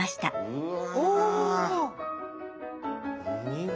うわ。